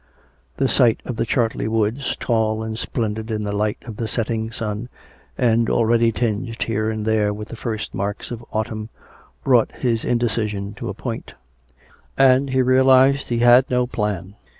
The sight of the Chartley woods, tall and splendid in the light of the setting sun, and already tinged here and there with the first marks of autumn, brought his indecision to a point; and he realized that he had no plan.